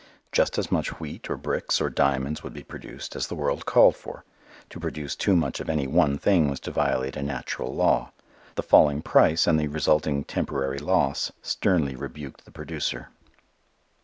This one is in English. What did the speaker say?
Just as much wheat or bricks or diamonds would be produced as the world called for; to produce too much of any one thing was to violate a natural law; the falling price and the resulting temporary loss sternly rebuked the producer.